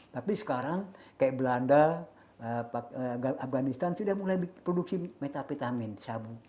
tapi sekarang kayak belanda afganistan sudah mulai produksi metavitamin sabu